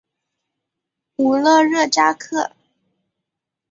武勒热扎克。